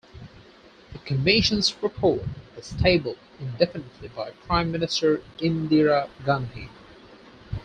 The commission's report was tabled indefinitely by Prime Minister Indira Gandhi.